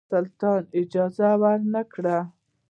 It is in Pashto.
سلطان اجازه ورنه کړه.